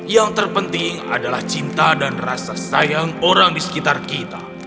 yang terpenting adalah cinta dan rasa sayang orang di sekitar kita